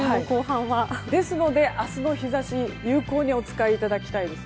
ですので、明日の日差しを有効にお使いいただきたいです。